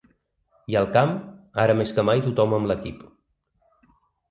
I al camp, ara més que mai tothom amb l’equip.